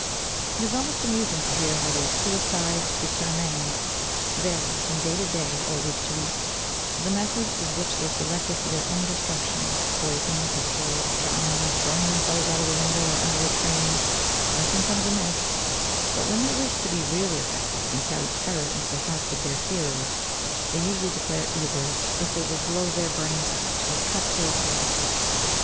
It is almost amusing to hear how these suicides déterminés vary, from day to day or week to week, the methods which they have selected for their own destruction poison, pistols, drowning, throwing themselves out of window or under a train nothing comes amiss; but, when they wish to be really effective, and carry terror into the hearts of their hearers, they usually declare either, that they will blow their brains out, or cut their throats.